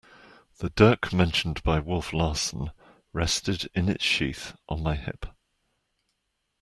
The dirk mentioned by Wolf Larsen rested in its sheath on my hip.